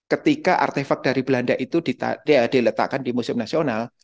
ketika artefak dari belanda itu diletakkan di museum nasional